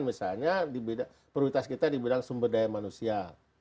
misalnya prioritas kita di bidang sumber daya manusia